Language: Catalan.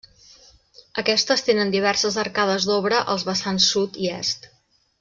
Aquestes tenen diverses arcades d'obra als vessants Sud i Est.